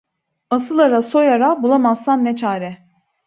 Asıl ara, soy ara, bulamazsan ne çare.